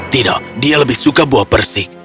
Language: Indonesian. tidak dia lebih suka buah persik